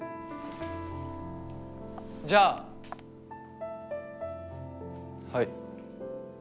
じゃあはい。